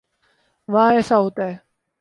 وہاں ایسا ہوتا ہے۔